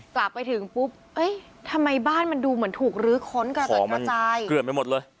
กลับไปถึงปุ๊บทำไมบ้านมันดูเหมือนถูกหรือขนกลับจนเทียบใจ